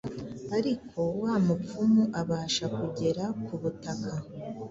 ariko wa mupfumu abasha kugera ku butaka